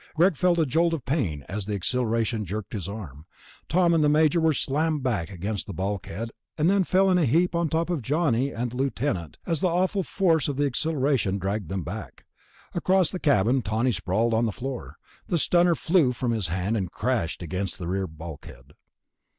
Greg felt a jolt of pain as the accelleration jerked at his arm. Tom and the Major were slammed back against a bulkhead, then fell in a heap on top of Johnny and the Lieutenant as the awful force of the accelleration dragged them back. Across the cabin Tawney sprawled on the floor. The stunner flew from his hand and crashed against the rear bulkhead.